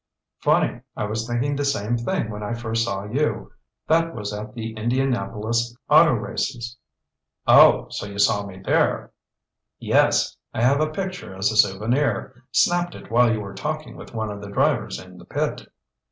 "Funny. I was thinking the same thing when I first saw you—that was at the Indianapolis auto races." "Oh, so you saw me there?" "Yes, I have a picture as a souvenir. Snapped it while you were talking with one of the drivers in the pit."